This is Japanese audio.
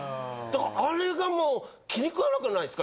あれがもう気に食わなくないすか？